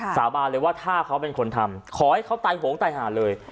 สาบานเลยว่าถ้าเขาเป็นคนทำขอให้เขาตายโหงตายหาเลย